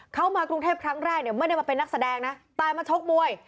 เขามากรุงเทพครั้งแรกเนี่ยไม่ได้มาเป็นนักแสดงนะตายมาชกมวย